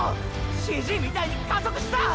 ＣＧみたいに加速した！！